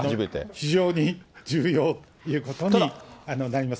非常に重要ということになります。